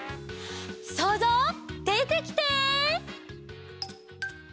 そうぞうでてきて！